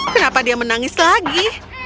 kenapa dia menangis lagi